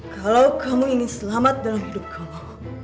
kalau kamu ingin selamat dalam hidup kamu